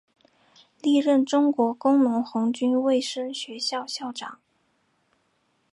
历任中国工农红军卫生学校校长。